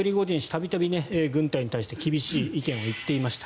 度々、軍隊に対して厳しい意見を言っていました。